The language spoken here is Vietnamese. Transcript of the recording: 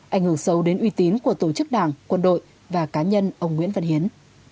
ảnh hưởng sâu đến uy tín của tổ chức đảng quân đội và cá nhân ông nguyễn văn hiến